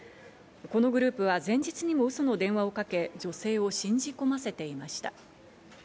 このグループは前日にもウソの電話をかけ、女性を信じ込ませていました。